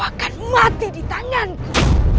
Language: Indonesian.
akan mati di tanganku